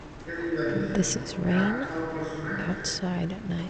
Què li venia al cap al personatge?